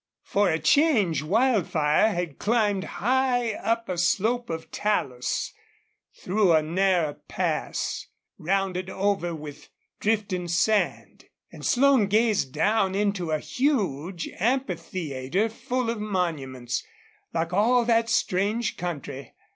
For a change Wildfire had climbed high up a slope of talus, through a narrow pass, rounded over with drifting sand. And Slone gazed down into a huge amphitheater full of monuments, like all that strange country.